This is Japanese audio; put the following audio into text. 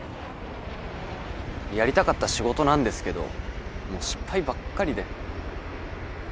やりたかった仕事なんですけどもう失敗ばっかりで。